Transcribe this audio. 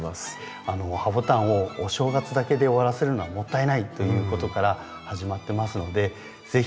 ハボタンをお正月だけで終わらせるのはもったいないということから始まってますので是非